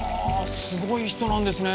すごい人なんですね